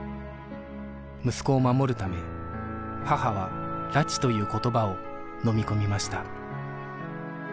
息子を守るため母は「拉致」という言葉をのみ込みました